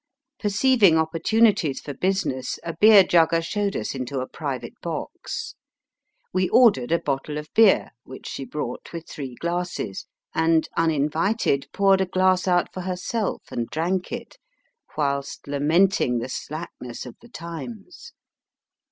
Perceiving opportunities for business a beer jugger showed us into a private box. We ordered a bottle of beer, which she brought with three glasses, and, uninvited, poured a glass out for herself and drank it, whilst lamenting the slackness of the times.